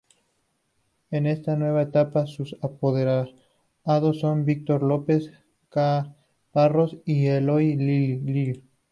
En esta nueva etapa sus apoderados son Víctor López Caparrós y Eloy Lillo.